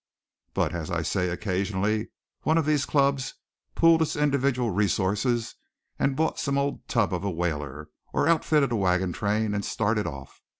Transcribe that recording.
But, as I say, occasionally one of these clubs pooled its individual resources and bought some old tub of a whaler, or outfitted a wagon train, and started off.